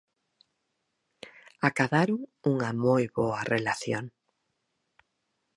Acadaron unha moi boa relación.